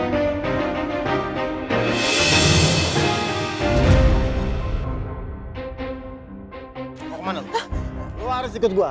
lu harus ikut gua